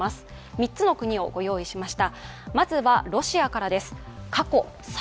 ３つの国をご用意しました。